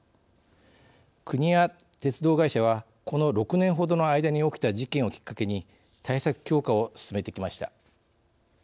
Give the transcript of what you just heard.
国や鉄道会社はこの６年ほどの間に起きた事件をきっかけに対策強化を進めてきました。